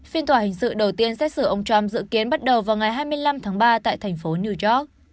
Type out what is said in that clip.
phiên tòa hình sự đầu tiên xét xử ông trump dự kiến bắt đầu vào ngày hai mươi năm tháng ba tại thành phố new york